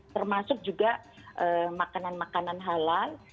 termasuk juga makanan makanan halalan